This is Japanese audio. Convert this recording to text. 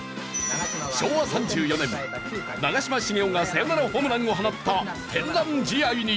昭和３４年長嶋茂雄がサヨナラホームランを放った天覧試合に。